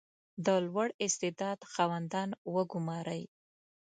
• د لوړ استعداد خاوندان وګمارئ.